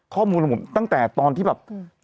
ข้อมูลของผมตั้งแต่ตอนที่แบบ